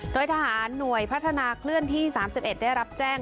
โดยทหารนวยพัฒนาเคลื่อนที่สามสิบเอ็ดได้รับแจ้ง